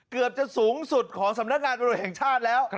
เกือบจะสูงสุดของสำนักงานตำรวจแห่งชาติแล้ว